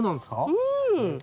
うん。